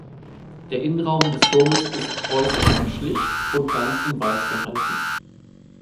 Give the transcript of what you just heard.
Der Innenraum des Domes ist äußerst schlicht und ganz in Weiß gehalten.